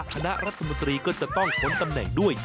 คณะรัฐมนตรีก็จะต้องพ้นตำแหน่งด้วย